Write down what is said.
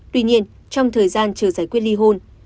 tuy nhiên trong thời gian chờ giải quyết ly hôn